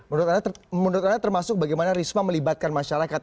menurut anda termasuk bagaimana risma melibatkan masyarakat